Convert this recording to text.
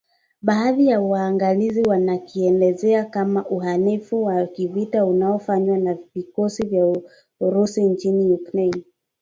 baadhi ya waangalizi wanakielezea kama uhalifu wa kivita unaofanywa na vikosi vya Urusi nchini Ukraine